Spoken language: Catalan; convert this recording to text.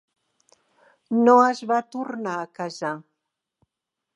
No es va tornar a casar.